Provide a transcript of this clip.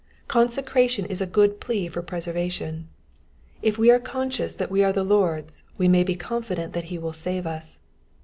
Consecration is a good plea for preservation. If we are conscious that we are the Lord^s we may be confident that he will save us.